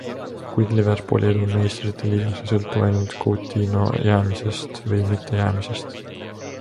Kuid Liverpooli edu Meistrite liigas ei sõltu ainult Coutinho jäämisest või mittejäämisest.